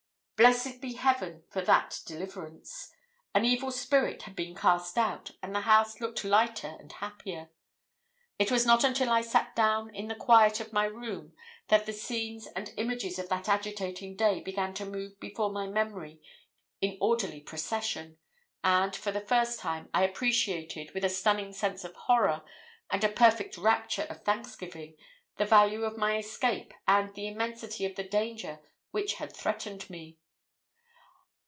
Blessed be heaven for that deliverance! An evil spirit had been cast out, and the house looked lighter and happier. It was not until I sat down in the quiet of my room that the scenes and images of that agitating day began to move before my memory in orderly procession, and for the first time I appreciated, with a stunning sense of horror and a perfect rapture of thanksgiving, the value of my escape and the immensity of the danger which had threatened me.